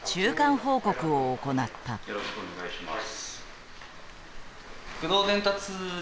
よろしくお願いします。